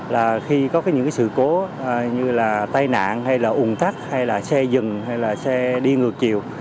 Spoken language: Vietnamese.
là khi có những sự cố như là tai nạn hay là ủng tắc hay là xe dừng hay là xe đi ngược chiều